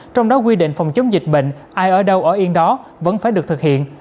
trong đó quy định phòng chống dịch bệnh ai ở đâu ở yên đó vẫn phải được thực hiện